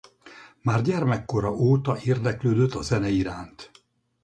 Már gyermekkora óta érdeklődött a zene iránt.